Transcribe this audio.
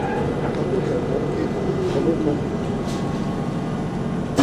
Ǩat̆upe bomt̆inam, xolo komulunan.